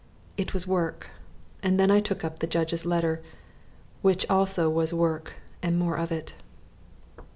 It was work; and then I took up the judge's letter, which also was work and more of it.